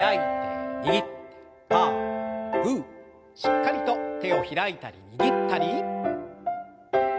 しっかりと手を開いたり握ったり。